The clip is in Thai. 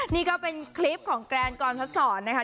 นี่ก็เป็นคลิปกิจกรรมแกรนกรพสรรค่ะ